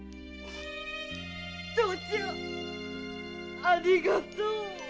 父ちゃんありがとう！